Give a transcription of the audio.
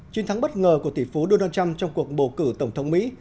chiến thắng bất ngờ của tỷ phú donald trump trong cuộc bầu cử tổng thống mỹ